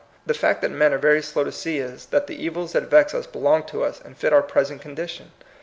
The fact that men are very slow to see is, that the evils that vex us belong to us, and fit our present condition.